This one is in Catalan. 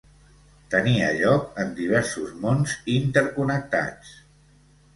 Tenia lloc en diversos mons interconnectats.